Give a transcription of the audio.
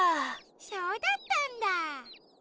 そうだったんだ！